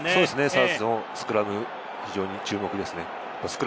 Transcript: ファーストスクラム、非常に注目ですね。